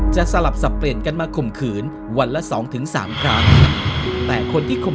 จะสลับสับเปลี่ยนกันมาค่มขืนวันละ๒๓ครั้งแต่คนที่คม